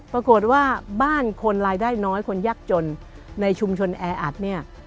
ปรากฏว่าบ้านคนรายได้น้อยคนยากจนในชุมชนแออัดเนี่ย